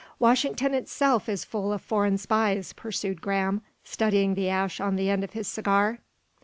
"Washington itself is full of foreign spies," pursued Graham, studying the ash on the end of his cigar.